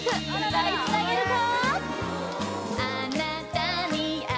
歌いつなげるか？